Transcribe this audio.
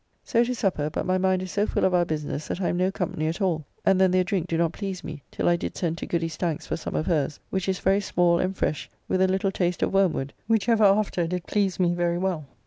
So to supper, but my mind is so full of our business that I am no company at all, and then their drink do not please me, till I did send to Goody Stanks for some of her's which is very small and fresh, with a little taste of wormewood, which ever after did please me very well.